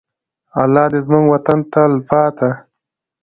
الله دې زموږ وطن ته تلپاته.